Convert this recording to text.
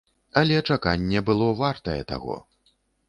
Але чаканне было вартае таго.